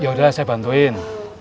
ya udah saya bantuin